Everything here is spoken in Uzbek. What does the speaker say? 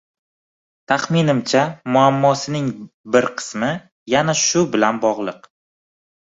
Taxminimcha, muammosining bir qismi yana shu bilan bog‘liq.